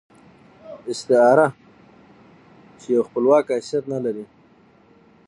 استعاره يو چې خپلواک حيثيت نه لري.